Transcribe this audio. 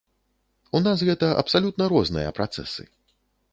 У нас гэта абсалютна розныя працэсы.